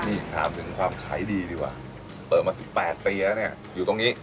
นี่ถามถึงความขายดีดีกว่าเปิดมาสิบแปดปีแล้วเนี่ยอยู่ตรงนี้